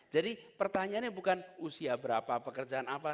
jadi pertanyaannya bukan usia berapa pekerjaan apa